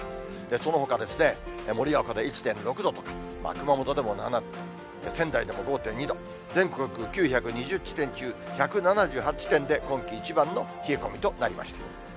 そのほかですね、盛岡で１．６度とか、熊本でも７度、仙台でも５．２度、全国９２０地点中１７８地点で今季一番の冷え込みとなりました。